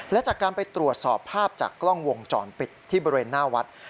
และจากการไปตรวจสอบภาพจากกล้องวงจรปิดที่บริเวณหน้าวัด